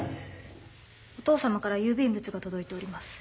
お父さまから郵便物が届いております。